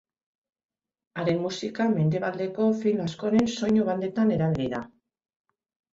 Haren musika mendebaldeko film askoren soinu-bandetan erabili da.